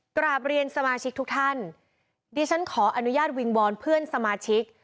กราบเรียนสมาชิกทุกท่านดิฉันขออนุญาตวิงวอนเพื่อนสมาชิก